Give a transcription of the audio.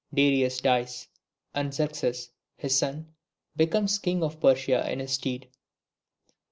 Darius dies, and Xerxes his son becomes King of Persia in his stead.